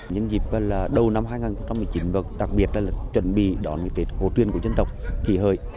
nhân dịp là đầu năm hai nghìn một mươi chín và đặc biệt là chuẩn bị đón cái tuyệt hồ tuyên của dân tộc kỳ hợi